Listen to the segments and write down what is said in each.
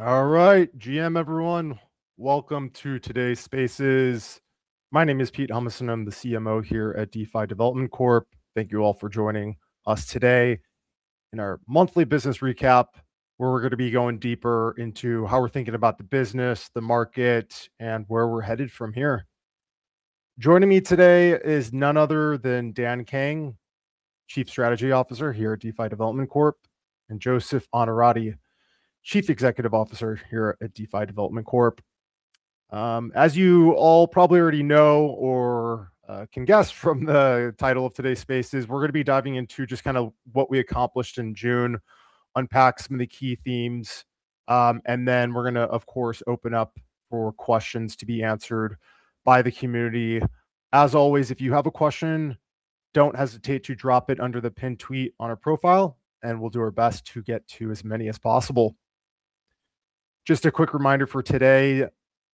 All right. GM, everyone. Welcome to today's Spaces. My name is Pete Humiston, and I'm the CMO here at DeFi Development Corp. Thank you all for joining us today in our monthly business recap, where we're going to be going deeper into how we're thinking about the business, the market, and where we're headed from here. Joining me today is none other than Dan Kang, Chief Strategy Officer here at DeFi Development Corp., and Joseph Onorati, Chief Executive Officer here at DeFi Development Corp. As you all probably already know or can guess from the title of today's Spaces, we're going to be diving into just what we accomplished in June, unpack some of the key themes. Then we're going to, of course, open up for questions to be answered by the community. As always, if you have a question, don't hesitate to drop it under the pinned tweet on our profile. We'll do our best to get to as many as possible. Just a quick reminder for today,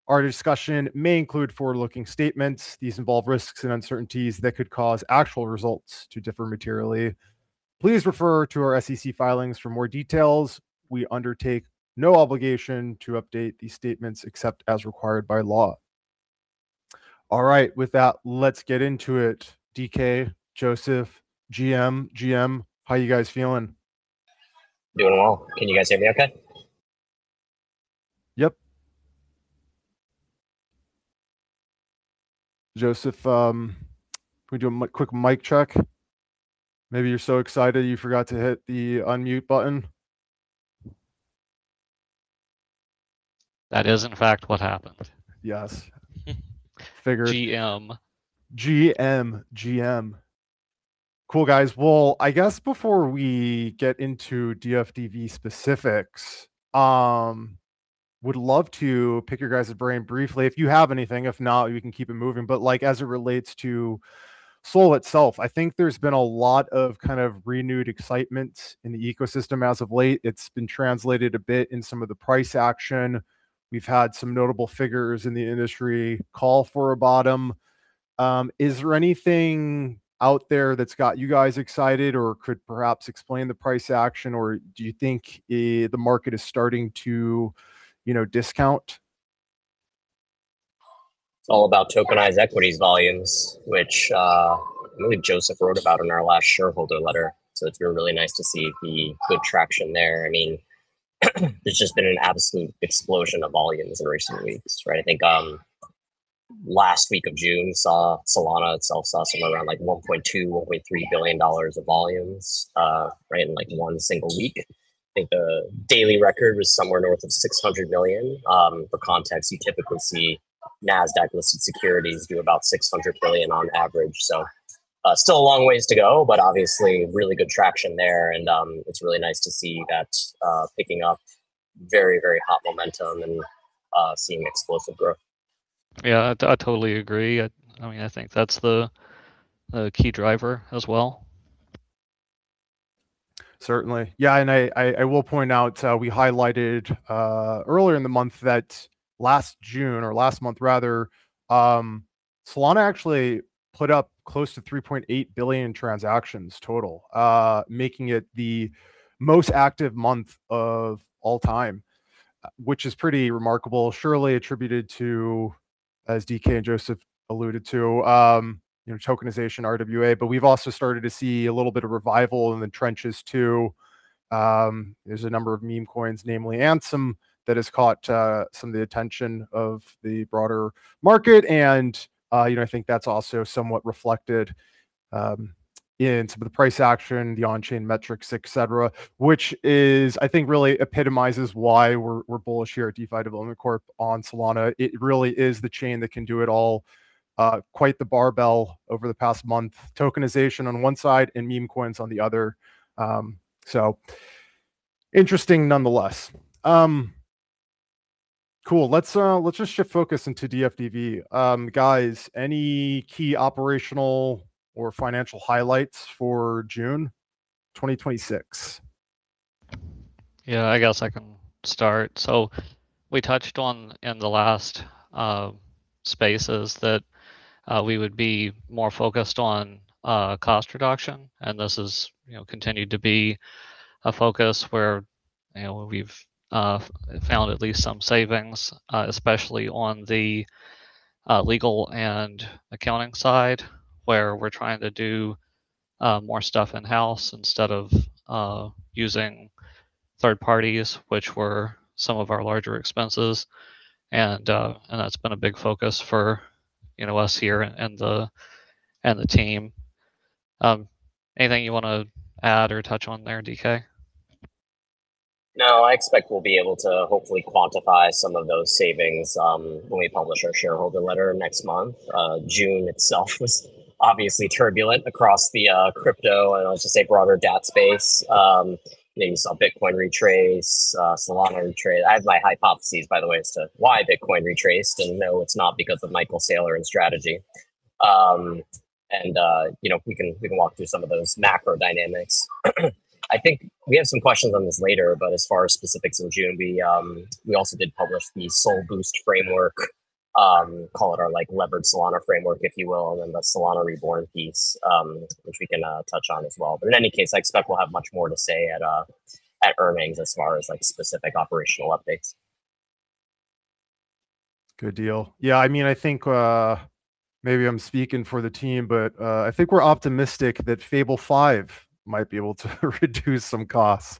our discussion may include forward-looking statements. These involve risks and uncertainties that could cause actual results to differ materially. Please refer to our SEC filings for more details. We undertake no obligation to update these statements except as required by law. All right, with that, let's get into it. DK, Joseph, GM, how you guys feeling? Doing well. Can you guys hear me okay? Yep. Joseph, can we do a quick mic check? Maybe you're so excited you forgot to hit the unmute button. That is, in fact, what happened. Yes. Figured. GM. GM. Cool, guys. Well, I guess before we get into DFDV specifics, would love to pick your guys' brain briefly if you have anything. If not, we can keep it moving. As it relates to Sol itself, I think there's been a lot of renewed excitement in the ecosystem as of late. It's been translated a bit in some of the price action. We've had some notable figures in the industry call for a bottom. Is there anything out there that's got you guys excited or could perhaps explain the price action, or do you think the market is starting to discount? It's all about tokenized equities volumes, which I believe Joseph wrote about in our last shareholder letter. It's been really nice to see the good traction there. I mean, there's just been an absolute explosion of volumes in recent weeks, right? I think last week of June, Solana itself saw somewhere around $1.2, $1.3 billion of volumes in one single week. I think the daily record was somewhere north of $600 million. For context, you typically see Nasdaq-listed securities do about $600 million on average. Still a long ways to go, but obviously really good traction there, and it's really nice to see that picking up very, very hot momentum and seeing explosive growth. I totally agree. I think that's the key driver as well. Certainly. I will point out, we highlighted earlier in the month that last June, or last month rather, Solana actually put up close to 3.8 billion transactions total, making it the most active month of all time, which is pretty remarkable. Surely attributed to, as DK and Joseph alluded to, tokenization RWA, but we've also started to see a little of revival in the trenches, too. There's a number of meme coins, namely ANSEM, that has caught some of the attention of the broader market, and I think that's also somewhat reflected in some of the price action, the on-chain metrics, et cetera, which I think really epitomizes why we're bullish here at DeFi Development Corp. on Solana. It really is the chain that can do it all. Quite the barbell over the past month. Tokenization on one side and meme coins on the other. Interesting nonetheless. Cool. Let's just shift focus into DFDV. Guys, any key operational or financial highlights for June 2026? I guess I can start. We touched on, in the last Spaces, that we would be more focused on cost reduction, and this has continued to be a focus where we've found at least some savings, especially on the legal and accounting side, where we're trying to do more stuff in-house instead of using third parties, which were some of our larger expenses. That's been a big focus for us here and the team. Anything you want to add or touch on there, DK? No, I expect we'll be able to hopefully quantify some of those savings when we publish our shareholder letter next month. June itself was obviously turbulent across the crypto, and let's just say broader .io space. You saw Bitcoin retrace, Solana retrace. I have my hypotheses, by the way, as to why Bitcoin retraced, and no, it's not because of Michael Saylor and Strategy. We can walk through some of those macro dynamics. I think we have some questions on this later, but as far as specifics in June, we also did publish the SOL Boost Framework. Call it our levered Solana framework, if you will, and then the Solana Reborn piece, which we can touch on as well. In any case, I expect we'll have much more to say at earnings as far as specific operational updates. Good deal. Yeah, I think maybe I'm speaking for the team, but I think we're optimistic that Fable 5 might be able to reduce some costs.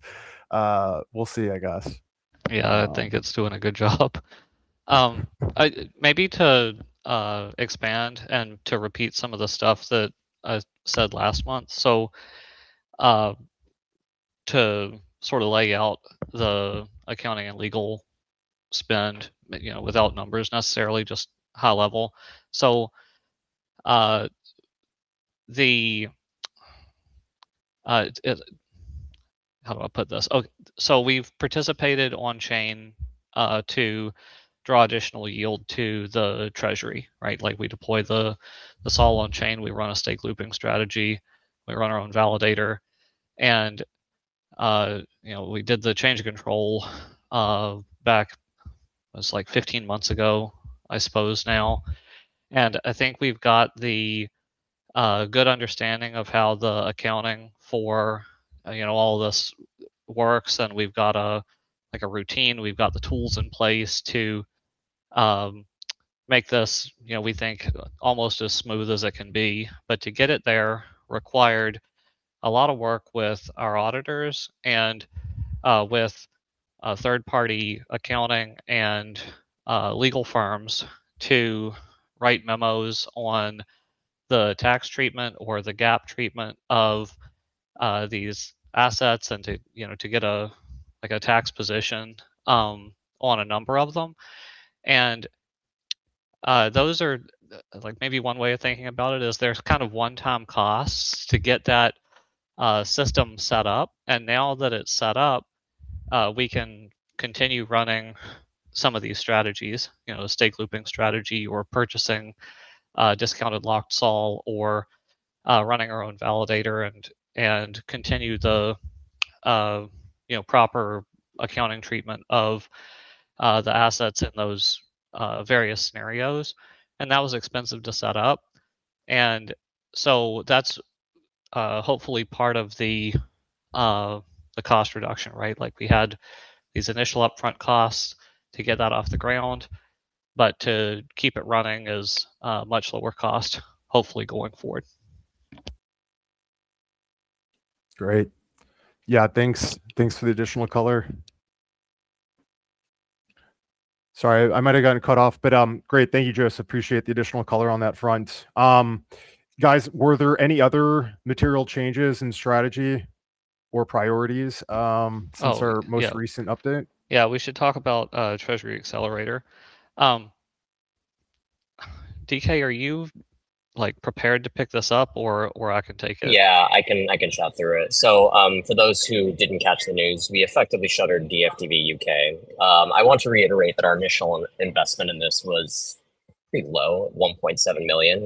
We'll see, I guess. Yeah, I think it's doing a good job. Maybe to expand and to repeat some of the stuff that I said last month. To lay out the accounting and legal spend, without numbers necessarily, just high level. How do I put this? Okay. We've participated on-chain to draw additional yield to the treasury, right? We deploy the SOL on-chain, we run a stake looping strategy, we run our own validator, and we did the change of control back, it was 15 months ago, I suppose now. I think we've got the good understanding of how the accounting for all this works, and we've got a routine. We've got the tools in place to make this, we think, almost as smooth as it can be. To get it there required a lot of work with our auditors and with third-party accounting and legal firms to write memos on the tax treatment or the GAAP treatment of these assets and to get a tax position on a number of them. Maybe one way of thinking about it is there's one-time costs to get that system set up. Now that it's set up, we can continue running some of these strategies, the stake looping strategy or purchasing discounted locked SOL or running our own validator, and continue the proper accounting treatment of the assets in those various scenarios. That was expensive to set up. That's hopefully part of the cost reduction, right? We had these initial upfront costs to get that off the ground, but to keep it running is much lower cost, hopefully going forward. Great. Yeah, thanks for the additional color. Sorry, I might have gotten cut off, but great. Thank you, Joseph, appreciate the additional color on that front. Guys, were there any other material changes in strategy or priorities- Yeah. Since our most recent update? Yeah, we should talk about Treasury Accelerator. DK, are you prepared to pick this up or I can take it? I can chat through it. For those who didn't catch the news, we effectively shuttered DFDV UK. I want to reiterate that our initial investment in this was pretty low at SOL 1.7 million.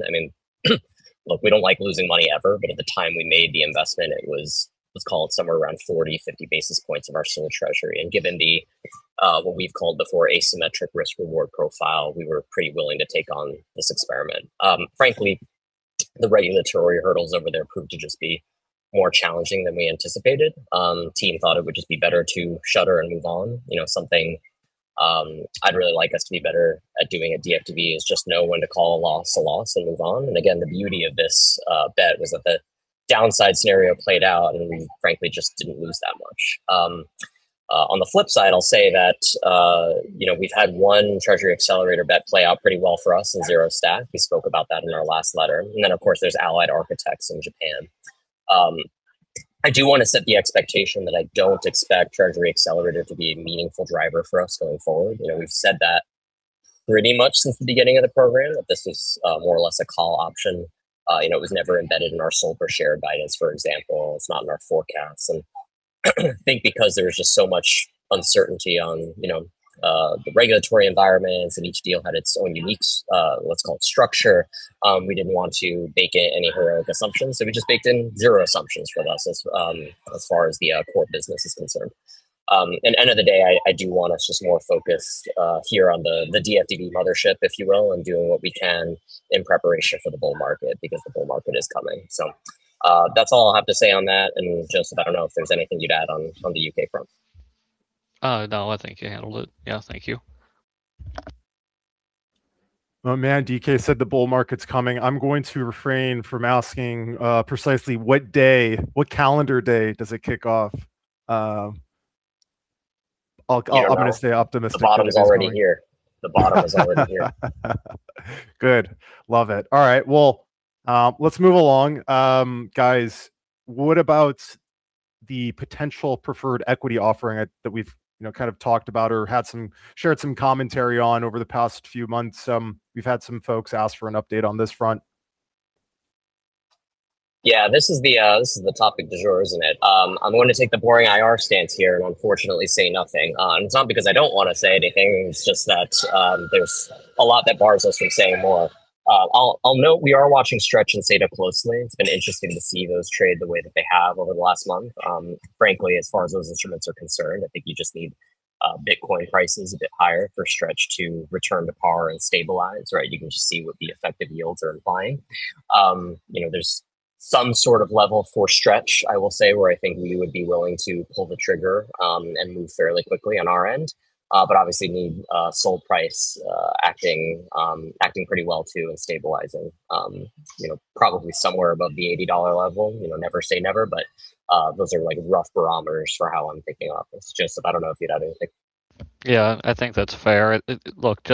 Look, we don't like losing money ever, but at the time we made the investment, it was called somewhere around 40, 50 basis points of our single treasury. Given the, what we've called before, asymmetric risk-reward profile, we were pretty willing to take on this experiment. Frankly, the regulatory hurdles over there proved to just be more challenging than we anticipated. Team thought it would just be better to shutter and move on. Something I'd really like us to be better at doing at DFDV is just know when to call a loss a loss and move on. Again, the beauty of this bet was that the downside scenario played out, and we frankly just didn't lose that much. On the flip side, I'll say that we've had one Treasury Accelerator bet play out pretty well for us in ZeroStack. We spoke about that in our last letter. Then, of course, there's Allied Architects in Japan. I do want to set the expectation that I don't expect Treasury Accelerator to be a meaningful driver for us going forward. We've said that pretty much since the beginning of the program, that this was more or less a call option. It was never embedded in our SOL per share guidance, for example. It's not in our forecasts. Think because there was just so much uncertainty on the regulatory environments and each deal had its own unique, let's call it structure, we didn't want to bake in any heroic assumptions. We just baked in zero assumptions for us as far as the core business is concerned. End of the day, I do want us just more focused here on the DFDV mothership, if you will, and doing what we can in preparation for the bull market, because the bull market is coming. That's all I'll have to say on that. Joseph, I don't know if there's anything you'd add on the U.K. front. No, I think you handled it. Yeah. Thank you. Oh, man, DK said the bull market's coming. I'm going to refrain from asking precisely what day, what calendar day does it kick off? I'm going to stay optimistic all summer. The bottom is already here. The bottom is already here. Good. Love it. All right. Well, let's move along. Guys, what about the potential preferred equity offering that we've talked about or shared some commentary on over the past few months? We've had some folks ask for an update on this front. Yeah, this is the topic du jour, isn't it? I'm going to take the boring IR stance here and unfortunately say nothing. It's not because I don't want to say anything, it's just that there's a lot that bars us from saying more. I'll note we are watching STRK and STRF closely. It's been interesting to see those trade the way that they have over the last month. Frankly, as far as those instruments are concerned, I think you just need Bitcoin prices a bit higher for STRK to return to par and stabilize. You can just see what the effective yields are implying. There's some sort of level for STRK, I will say, where I think we would be willing to pull the trigger and move fairly quickly on our end. Obviously need Sol price acting pretty well too and stabilizing. Probably somewhere above the $80 level. Never say never, but those are rough barometers for how I'm thinking of this. Joseph, I don't know if you'd add anything. Yeah, I think that's fair. Look,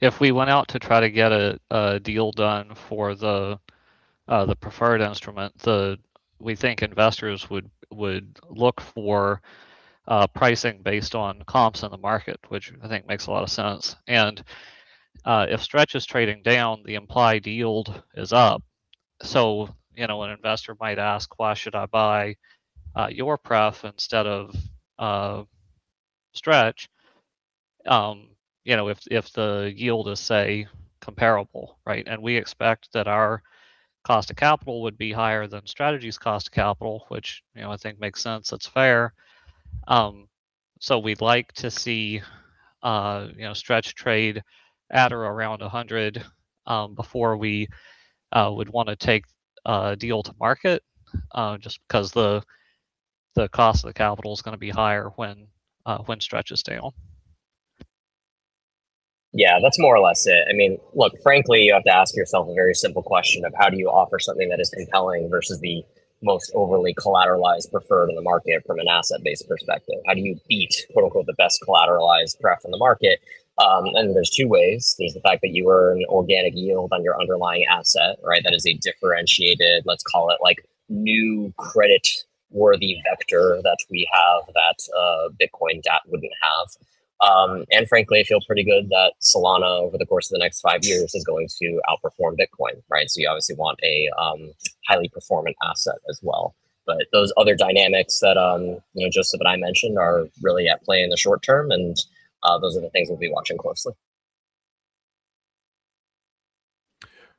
if we went out to try to get a deal done for the preferred instrument, we think investors would look for pricing based on comps in the market, which I think makes a lot of sense. If STRF is trading down, the implied yield is up. An investor might ask, "Why should I buy your pref instead of STRF?" If the yield is, say, comparable. We expect that our cost of capital would be higher than Strategy's cost of capital, which I think makes sense. That's fair. We'd like to see STRF trade at or around $100 before we would want to take a deal to market, just because the cost of the capital's going to be higher when STRF is down. Yeah, that's more or less it. Look, frankly, you have to ask yourself a very simple question of how do you offer something that is compelling versus the most overly collateralized preferred in the market from an asset-based perspective. How do you beat, quote-unquote, "the best collateralized pref on the market"? There's two ways. There's the fact that you earn organic yield on your underlying asset. That is a differentiated, let's call it, new credit-worthy vector that we have that Bitcoin DAT wouldn't have. Frankly, I feel pretty good that Solana, over the course of the next five years, is going to outperform Bitcoin. You obviously want a highly performing asset as well. Those other dynamics that Joseph and I mentioned are really at play in the short term, and those are the things we'll be watching closely.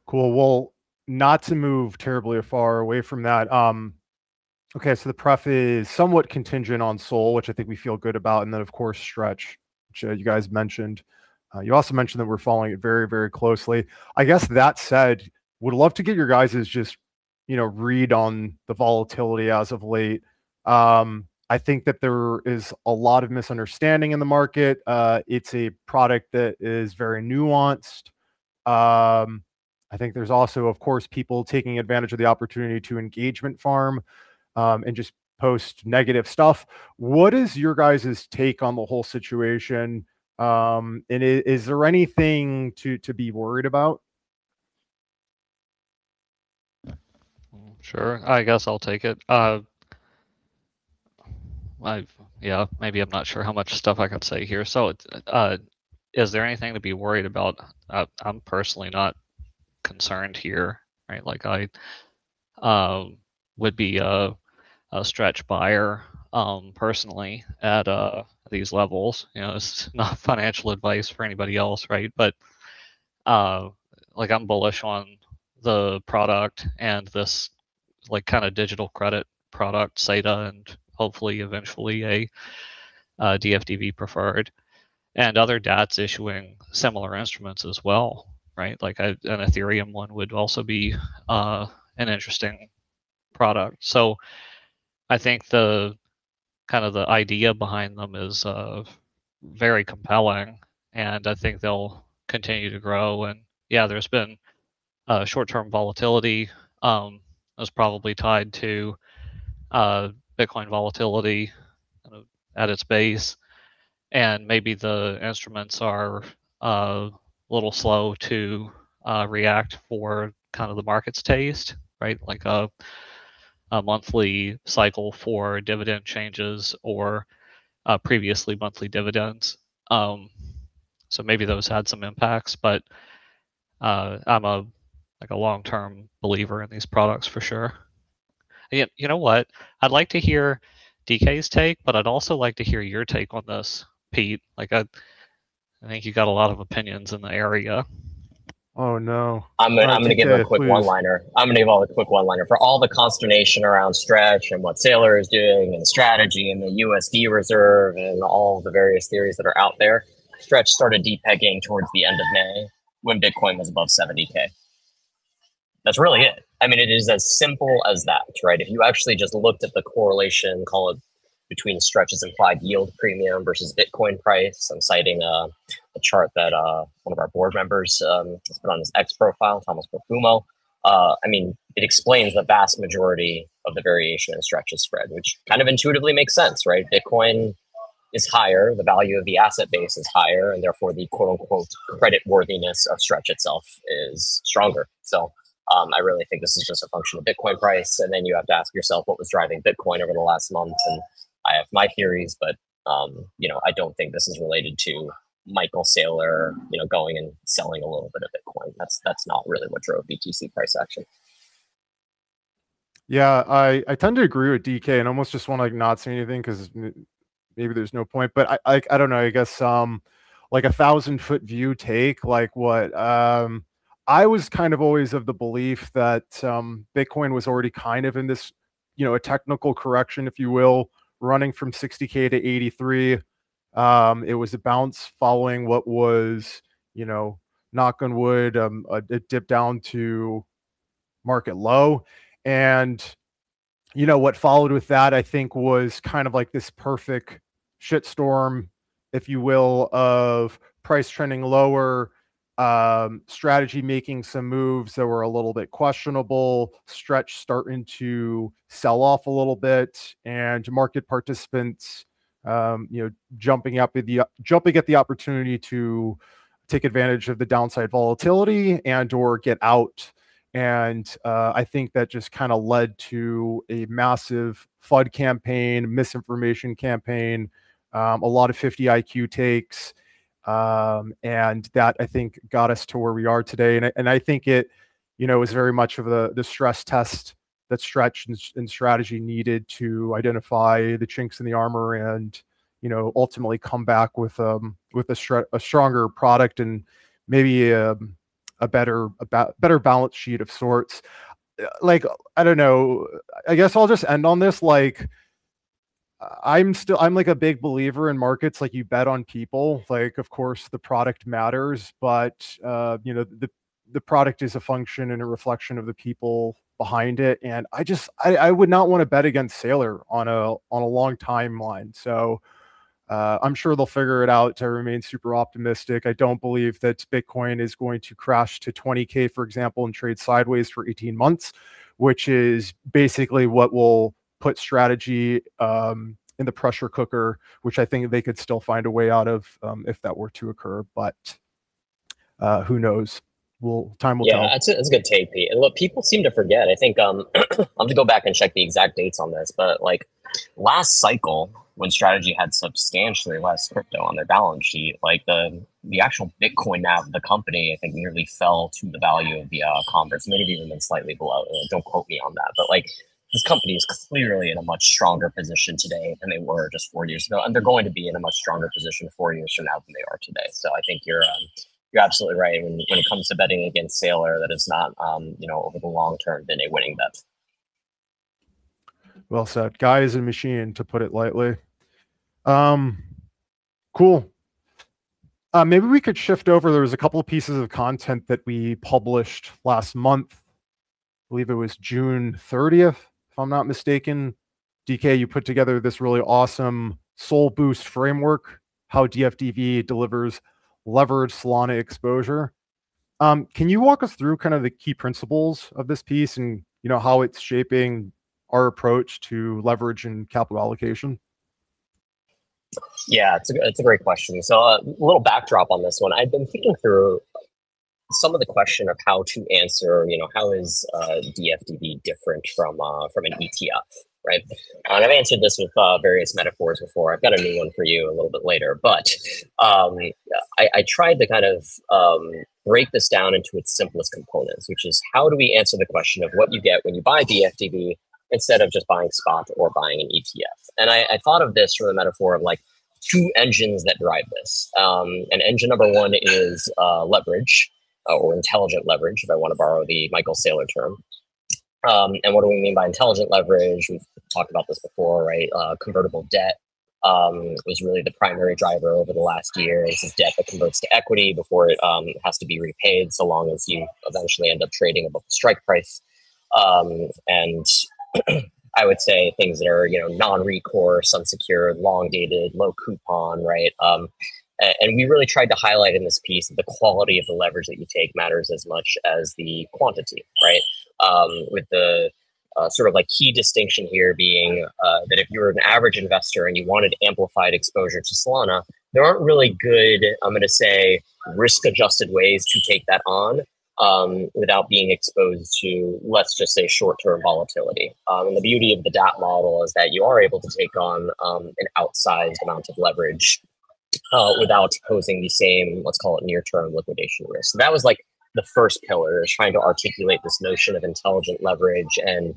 Cool. Well, not to move terribly far away from that. The pref is somewhat contingent on SOL, which I think we feel good about, and then of course, STRK, which you guys mentioned. You also mentioned that we're following it very closely. I guess that said, would love to get your guys' just read on the volatility as of late. I think that there is a lot of misunderstanding in the market. It's a product that is very nuanced. I think there's also, of course, people taking advantage of the opportunity to engagement farm and just post negative stuff. What is your guys' take on the whole situation, and is there anything to be worried about? Sure. I guess I'll take it. Maybe I'm not sure how much stuff I could say here. Is there anything to be worried about? I'm personally not concerned here. I would be a STRK buyer, personally, at these levels. It's not financial advice for anybody else. I'm bullish on the product and this kind of digital credit product, Saita, and hopefully eventually a DFDV preferred. Other DApps issuing similar instruments as well. An Ethereum one would also be an interesting product. I think the idea behind them is very compelling, and I think they'll continue to grow. Yeah, there's been short-term volatility. That's probably tied to Bitcoin volatility at its base. Maybe the instruments are a little slow to react for the market's taste. Like a monthly cycle for dividend changes or previously monthly dividends. Maybe those had some impacts. I'm a long-term believer in these products for sure. You know what? I'd like to hear DK's take. I'd also like to hear your take on this, Pete. I think you got a lot of opinions in the area. Oh, no. I'm going to give a quick one-liner. I'm going to give all the quick one-liner. For all the consternation around STRK and what Saylor is doing and the strategy and the USD reserve and all the various theories that are out there, STRK started de-pegging towards the end of May when Bitcoin was above 70K. That's really it. It is as simple as that. If you actually just looked at the correlation, call it, between STRK's implied yield premium versus Bitcoin price, I'm citing a chart that one of our board members has put on his X profile, Tom Profumo. It explains the vast majority of the variation in STRK's spread, which kind of intuitively makes sense. Right. Bitcoin is higher, the value of the asset base is higher, and therefore the quote-unquote "credit worthiness" of STRK itself is stronger. I really think this is just a function of Bitcoin price, and then you have to ask yourself what was driving Bitcoin over the last month, and I have my theories, but I don't think this is related to Michael Saylor going and selling a little bit of Bitcoin. That's not really what drove BTC price action. Yeah, I tend to agree with DK and almost just want to not say anything because maybe there's no point. I don't know, I guess some 1,000-foot view take. I was kind of always of the belief that Bitcoin was already kind of in this A technical correction, if you will, running from $60,000-$83,000. It was a bounce following what was, knock on wood, a dip down to market low. What followed with that, I think, was this perfect shit storm, if you will, of price trending lower, Strategy making some moves that were a little bit questionable, Stretch starting to sell off a little bit, and market participants jumping at the opportunity to take advantage of the downside volatility and/or get out. I think that just led to a massive FUD campaign, misinformation campaign, a lot of 50 IQ takes, that, I think, got us to where we are today. I think it was very much of the stress test that Stretch and Strategy needed to identify the chinks in the armor and ultimately come back with a stronger product and maybe a better balance sheet of sorts. I don't know. I guess I'll just end on this. I'm a big believer in markets, like you bet on people. Of course, the product matters, but the product is a function and a reflection of the people behind it. I would not want to bet against Saylor on a long timeline. I'm sure they'll figure it out. I remain super optimistic. I don't believe that Bitcoin is going to crash to $20,000, for example, and trade sideways for 18 months, which is basically what will put Strategy in the pressure cooker, which I think they could still find a way out of if that were to occur, who knows? Time will tell. Yeah. That's a good take, P. Look, people seem to forget, I think I'll have to go back and check the exact dates on this, but last cycle when Strategy had substantially less crypto on their balance sheet, the actual Bitcoin, the company, I think, nearly fell to the value of the converse. Maybe even been slightly below it. Don't quote me on that. This company is clearly in a much stronger position today than they were just four years ago, and they're going to be in a much stronger position four years from now than they are today. I think you're absolutely right when it comes to betting against Saylor, that is not, over the long term, been a winning bet. Well said. Guy is a machine, to put it lightly. Cool. Maybe we could shift over, there was a couple pieces of content that we published last month, I believe it was June 30th, if I'm not mistaken. DK, you put together this really awesome SOL Boost Framework, how DFDV delivers leveraged Solana exposure. Can you walk us through the key principles of this piece and how it's shaping our approach to leverage and capital allocation? Yeah. It's a great question. A little backdrop on this one. I've been thinking through some of the question of how to answer how is DFDV different from an ETF, right? I've answered this with various metaphors before. I've got a new one for you a little bit later. I tried to break this down into its simplest components, which is how do we answer the question of what you get when you buy DFDV instead of just buying SPOT or buying an ETF? I thought of this from the metaphor of two engines that drive this. Engine number one is leverage or intelligent leverage, if I want to borrow the Michael Saylor term. What do we mean by intelligent leverage? We've talked about this before. Convertible debt was really the primary driver over the last year. This is debt that converts to equity before it has to be repaid, so long as you eventually end up trading above the strike price. I would say things that are non-recourse, unsecured, long-dated, low coupon, right? We really tried to highlight in this piece the quality of the leverage that you take matters as much as the quantity. With the key distinction here being that if you're an average investor and you wanted amplified exposure to Solana, there aren't really good, I'm going to say, risk-adjusted ways to take that on, without being exposed to, let's just say short-term volatility. The beauty of the DAT model is that you are able to take on an outsized amount of leverage without posing the same, let's call it near-term liquidation risk. That was the first pillar is trying to articulate this notion of intelligent leverage and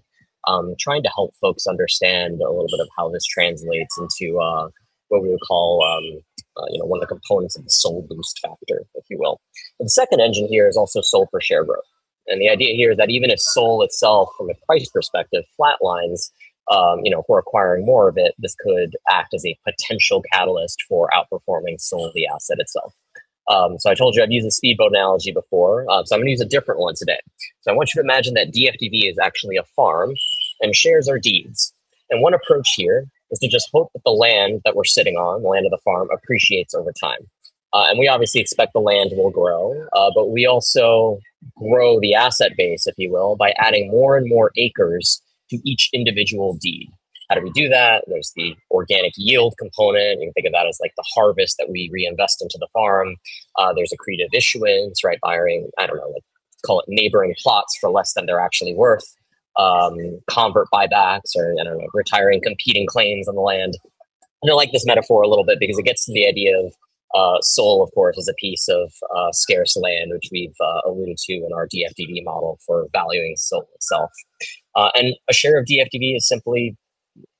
trying to help folks understand a little bit of how this translates into what we would call one of the components of the SOL boost factor, if you will. The second engine here is also SOL per share growth. The idea here is that even if SOL itself from a price perspective flat lines, if we're acquiring more of it, this could act as a potential catalyst for outperforming SOL, the asset itself. I told you I've used the speedboat analogy before, I'm going to use a different one today. I want you to imagine that DFDV is actually a farm and shares are deeds. One approach here is to just hope that the land that we're sitting on, the land of the farm, appreciates over time. We obviously expect the land will grow, but we also grow the asset base, if you will, by adding more and more acres to each individual deed. How do we do that? There's the organic yield component. You can think of that as like the harvest that we reinvest into the farm. There's accretive issuance. Buying, I don't know, call it neighboring plots for less than they're actually worth. Convert buybacks or, I don't know, retiring competing claims on the land. I like this metaphor a little bit because it gets to the idea of SOL, of course, as a piece of scarce land, which we've alluded to in our DFDV model for valuing SOL itself. A share of DFDV is simply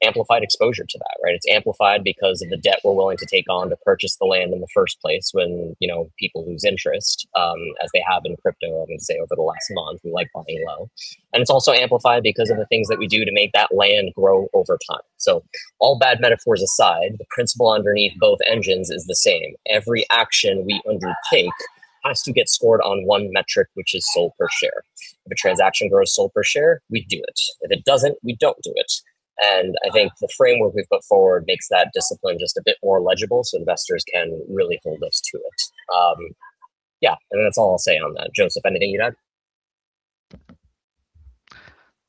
Amplified exposure to that, right? It's amplified because of the debt we're willing to take on to purchase the land in the first place when people lose interest, as they have in crypto, I would say, over the last month. We like buying low. It's also amplified because of the things that we do to make that land grow over time. All bad metaphors aside, the principle underneath both engines is the same. Every action we undertake has to get scored on one metric, which is SOL per share. If a transaction grows SOL per share, we do it. If it doesn't, we don't do it. I think the framework we've put forward makes that discipline just a bit more legible so investors can really hold us to it. Yeah. That's all I'll say on that. Joseph, anything you'd add?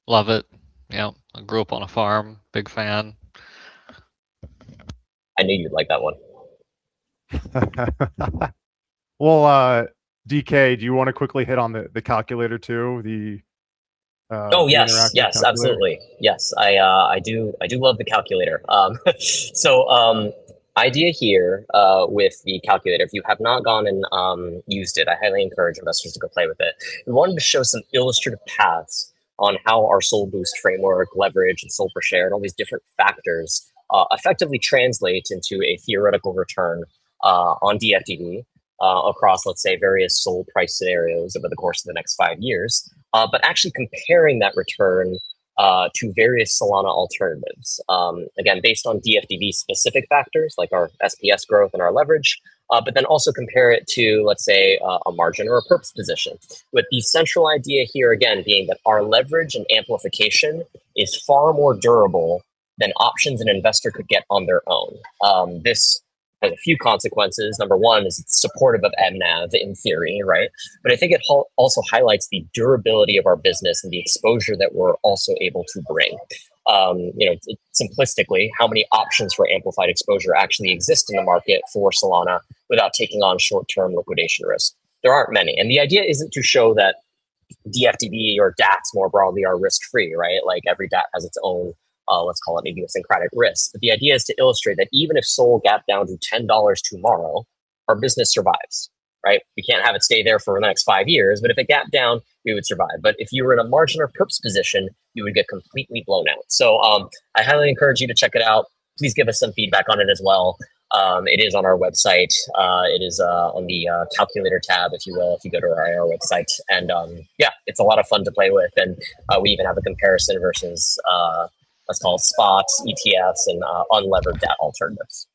Love it. I grew up on a farm. Big fan. I knew you'd like that one. DK, do you want to quickly hit on the calculator too? The interactive calculator. Oh, yes. Yes, absolutely. Yes. I do love the calculator. Idea here with the calculator, if you have not gone and used it, I highly encourage investors to go play with it. We wanted to show some illustrative paths on how our SOL Boost Framework, leverage, and SOL per share, and all these different factors effectively translate into a theoretical return on DFDV across, let's say, various SOL price scenarios over the course of the next five years. Actually comparing that return to various Solana alternatives. Again, based on DFDV specific factors, like our SPS growth and our leverage, also compare it to, let's say, a margin or a perps position. With the central idea here, again, being that our leverage and amplification is far more durable than options an investor could get on their own. This has a few consequences. Number one is it's supportive of MNAV in theory, right? I think it also highlights the durability of our business and the exposure that we're also able to bring. Simplistically, how many options for amplified exposure actually exist in the market for Solana without taking on short-term liquidation risk? There aren't many. The idea isn't to show that DFDV or DATS more broadly are risk-free, right? Every DAT has its own, let's call it maybe idiosyncratic risk. The idea is to illustrate that even if SOL gap down to $10 tomorrow, our business survives. Right? We can't have it stay there for the next five years, but if it gapped down, we would survive. If you were in a margin or perps position, you would get completely blown out. I highly encourage you to check it out. Please give us some feedback on it as well. It is on our website. It is on the calculator tab, if you will, if you go to our .io website. Yeah, it's a lot of fun to play with, and we even have a comparison versus, let's call it spot ETFs, and unlevered DAT alternatives.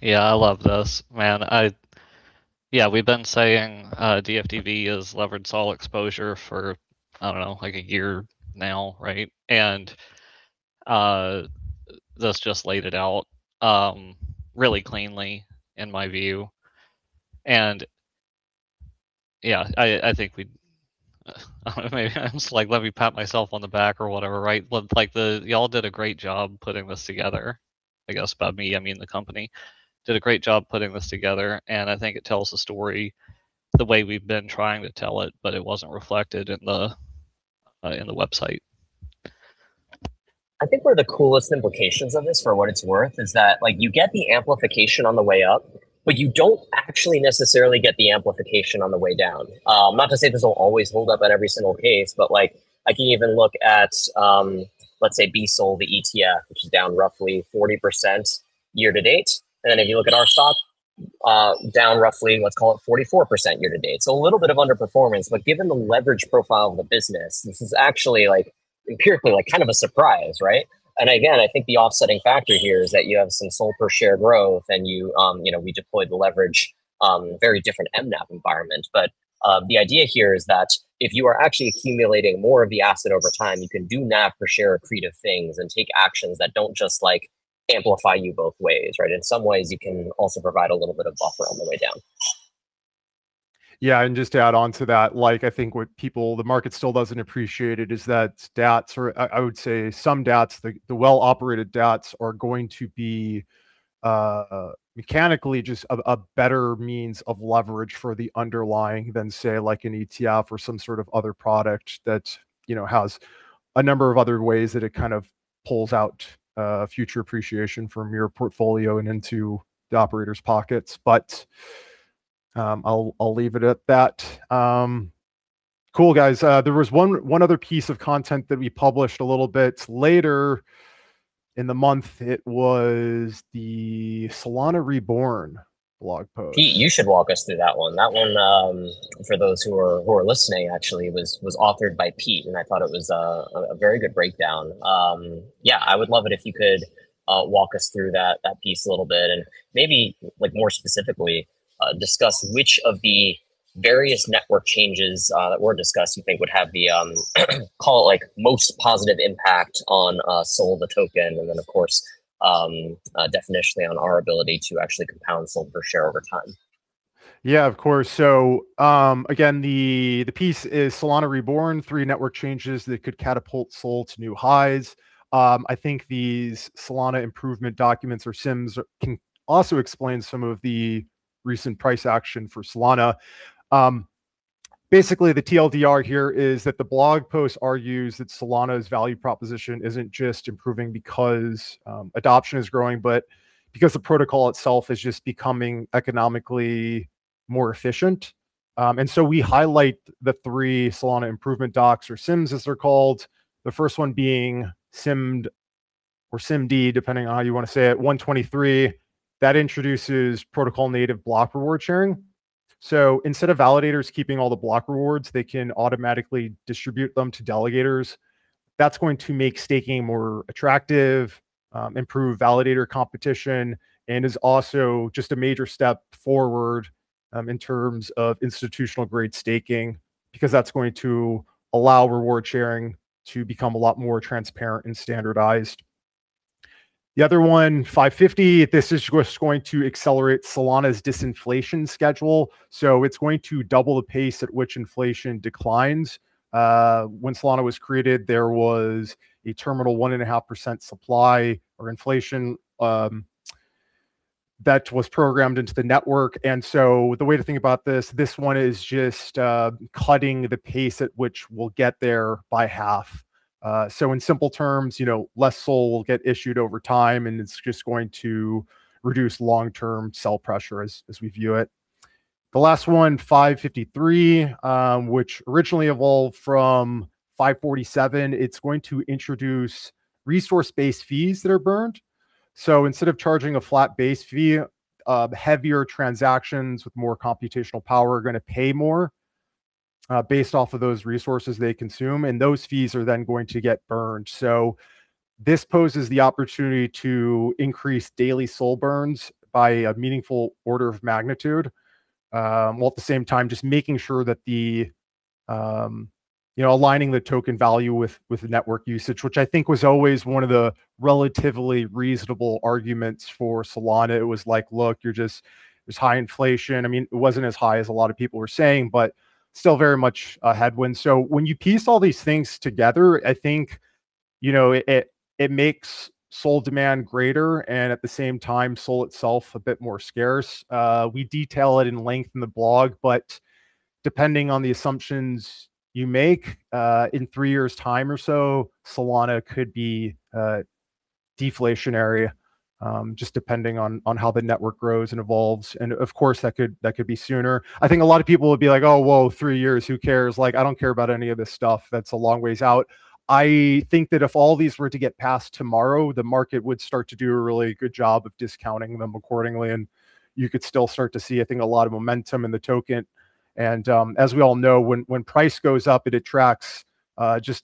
Yeah, I love this. Man, we've been saying DFDV is levered SOL exposure for, I don't know, like a year now, right? This just laid it out really cleanly, in my view. Yeah, I think we Maybe I'm just like, "Let me pat myself on the back or whatever," right? Y'all did a great job putting this together, I guess, by me, I mean the company, did a great job putting this together, and I think it tells the story the way we've been trying to tell it, but it wasn't reflected in the website. I think one of the coolest implications of this, for what it's worth, is that you get the amplification on the way up, but you don't actually necessarily get the amplification on the way down. Not to say this will always hold up at every single case, but I can even look at, let's say, BSOL, the ETF, which is down roughly 40% year-to-date. Then if you look at our stock, down roughly, let's call it 44% year-to-date. A little bit of underperformance, but given the leverage profile of the business, this is actually empirically kind of a surprise, right? Again, I think the offsetting factor here is that you have some SOL per share growth and we deployed the leverage in a very different MNAV environment. The idea here is that if you are actually accumulating more of the asset over time, you can do NAV per share accretive things and take actions that don't just amplify you both ways, right? In some ways, you can also provide a little bit of buffer on the way down. Yeah, just to add on to that, I think what the market still doesn't appreciate is that DATS, or I would say some DATS, the well-operated DATS, are going to be mechanically just a better means of leverage for the underlying than, say, like an ETF or some sort of other product that has a number of other ways that it kind of pulls out future appreciation from your portfolio and into the operator's pockets. I'll leave it at that. Cool, guys. There was one other piece of content that we published a little bit later in the month. It was the Solana Reborn blog post. Pete, you should walk us through that one. That one, for those who are listening, actually, was authored by Pete, I thought it was a very good breakdown. I would love it if you could walk us through that piece a little bit, and maybe more specifically, discuss which of the various network changes that were discussed you think would have the call it most positive impact on SOL, the token, and then of course, definitionally on our ability to actually compound SOL per share over time. Of course. Again, the piece is Solana Reborn, three network changes that could catapult SOL to new highs. I think these Solana Improvement Documents or SIMDs can also explain some of the recent price action for Solana. Basically, the TLDR here is that the blog post argues that Solana's value proposition isn't just improving because adoption is growing, but because the protocol itself is just becoming economically more efficient. We highlight the three Solana Improvement Docs or SIMDs as they're called. The first one being SIMD or SIMD, depending on how you want to say it, 123, that introduces protocol native block reward sharing. Instead of validators keeping all the block rewards, they can automatically distribute them to delegators. That's going to make staking more attractive, improve validator competition, and is also just a major step forward in terms of institutional-grade staking, because that's going to allow reward sharing to become a lot more transparent and standardized. The other one, 550. This is going to accelerate Solana's disinflation schedule. It's going to double the pace at which inflation declines. When Solana was created, there was a terminal one and a half percent supply or inflation that was programmed into the network. The way to think about this one is just cutting the pace at which we'll get there by half. In simple terms, less SOL will get issued over time, and it's just going to reduce long-term sell pressure as we view it. The last one, 553, which originally evolved from 547. It's going to introduce resource-based fees that are burned. Instead of charging a flat-based fee, heavier transactions with more computational power are going to pay more based off of those resources they consume, and those fees are then going to get burned. This poses the opportunity to increase daily SOL burns by a meaningful order of magnitude. While at the same time just making sure that Aligning the token value with the network usage, which I think was always one of the relatively reasonable arguments for Solana. It was like, "Look, there's high inflation." I mean, it wasn't as high as a lot of people were saying, but still very much a headwind. When you piece all these things together, I think it makes SOL demand greater and at the same time SOL itself a bit scarcer. Depending on the assumptions you make, in three years' time or so, Solana could be deflationary, just depending on how the network grows and evolves. Of course, that could be sooner. I think a lot of people would be like, "Oh, whoa, three years, who cares? I don't care about any of this stuff. That's a long way out." I think that if all these were to get passed tomorrow, the market would start to do a really good job of discounting them accordingly, and you could still start to see, I think, a lot of momentum in the token. As we all know, when price goes up, it attracts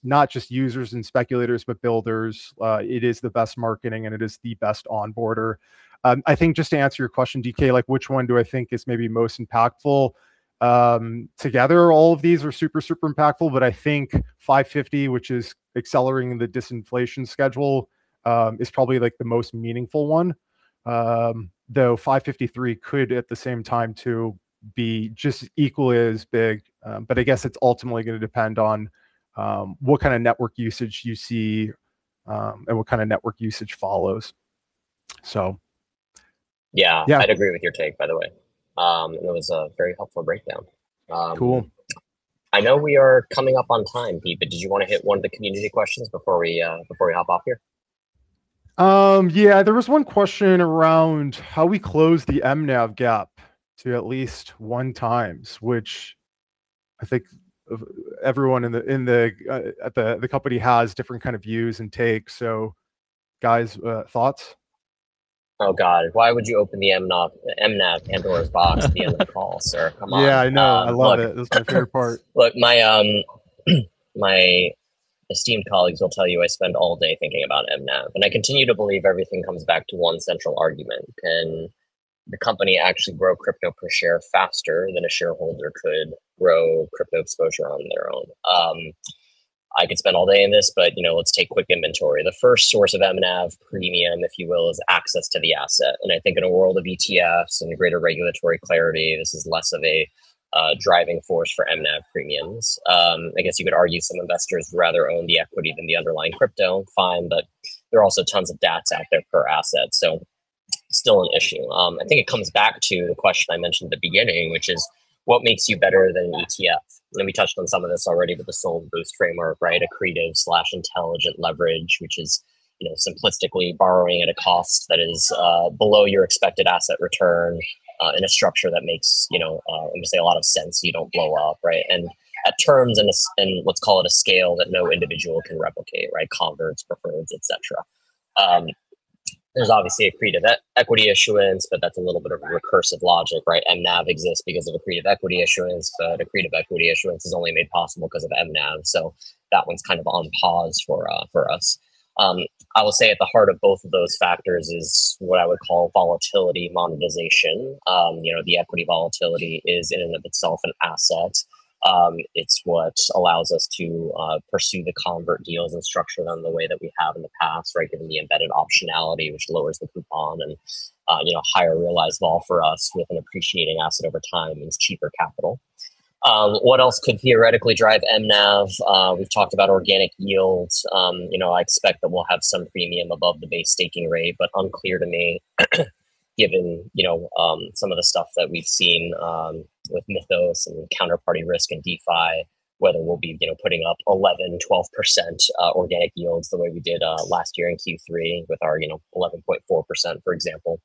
not just users and speculators, but builders. It is the best marketing, and it is the best onboarder. I think just to answer your question, DK, which one do I think is maybe most impactful? Together, all of these are super impactful, I think 550, which is accelerating the disinflation schedule, is probably the most meaningful one. Though 553 could at the same time, too, be just equally as big. I guess it's ultimately going to depend on what kind of network usage you see, and what kind of network usage follows. Yeah. Yeah. I'd agree with your take, by the way. It was a very helpful breakdown. Cool. I know we are coming up on time, Pete, did you want to hit one of the community questions before we hop off here? Yeah, there was one question around how we close the MNAV gap to at least one times, which I think everyone at the company has different kind of views and takes. Guys, thoughts? Oh, God. Why would you open the MNAV Pandora's box at the end of the call, sir? Come on. Yeah, I know. I love it. That's my favorite part. Look, my esteemed colleagues will tell you I spend all day thinking about mNAV, and I continue to believe everything comes back to one central argument. Can the company actually grow crypto per share faster than a shareholder could grow crypto exposure on their own? I could spend all day on this, but let's take quick inventory. The first source of mNAV premium, if you will, is access to the asset. I think in a world of ETFs and greater regulatory clarity, this is less of a driving force for mNAV premiums. I guess you could argue some investors would rather own the equity than the underlying crypto. Fine. There are also tons of DATs out there per asset, so still an issue. I think it comes back to the question I mentioned at the beginning, which is what makes you better than an ETF? We touched on some of this already with the SOL Boost Framework, right? Accretive/intelligent leverage, which is simplistically borrowing at a cost that is below your expected asset return, in a structure that makes a lot of sense so you don't blow up, right? At terms and let's call it a scale that no individual can replicate, right? Converts, preferreds, et cetera. There's obviously accretive equity issuance, but that's a little bit of recursive logic, right? mNAV exists because of accretive equity issuance, but accretive equity issuance is only made possible because of mNAV, so that one's kind of on pause for us. I will say at the heart of both of those factors is what I would call volatility monetization. The equity volatility is in and of itself an asset. It's what allows us to pursue the convert deals and structure them the way that we have in the past, right? Given the embedded optionality, which lowers the coupon and higher realized vol for us with an appreciating asset over time means cheaper capital. What else could theoretically drive mNAV? We've talked about organic yields. I expect that we'll have some premium above the base staking rate, but unclear to me, given some of the stuff that we've seen with Mythos and counterparty risk in DeFi, whether we'll be putting up 11%, 12% organic yields the way we did last year in Q3 with our 11.4%, for example.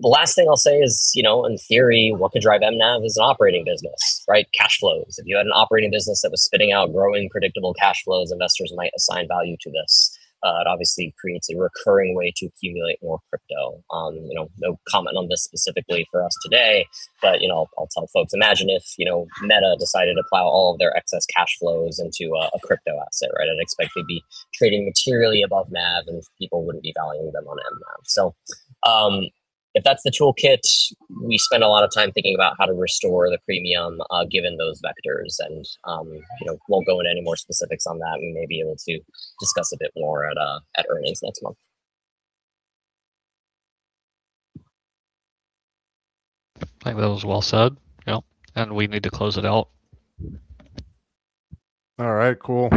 The last thing I'll say is, in theory, what could drive mNAV is an operating business, right? Cash flows. If you had an operating business that was spitting out growing predictable cash flows, investors might assign value to this. It obviously creates a recurring way to accumulate more crypto. No comment on this specifically for us today, but I'll tell folks, imagine if Meta decided to plow all of their excess cash flows into a crypto asset, right? I'd expect they'd be trading materially above NAV and people wouldn't be valuing them on mNAV. If that's the toolkit, we spend a lot of time thinking about how to restore the premium, given those vectors and won't go into any more specifics on that. We may be able to discuss a bit more at earnings next month. I think that was well said. Yep. We need to close it out. All right. Cool.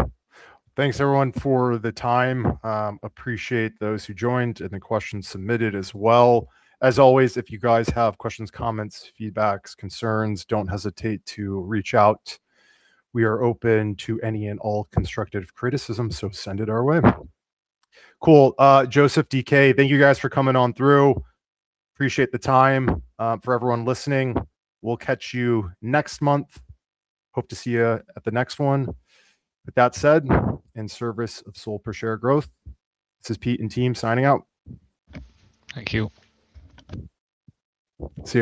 Thanks everyone for the time. Appreciate those who joined and the questions submitted as well. As always, if you guys have questions, comments, feedbacks, concerns, don't hesitate to reach out. We are open to any and all constructive criticism. Send it our way. Cool. Joseph, Dan Kang, thank you guys for coming on through. Appreciate the time. For everyone listening, we'll catch you next month. Hope to see you at the next one. With that said, in service of SOL per share growth, this is Pete and team signing out. Thank you. See you.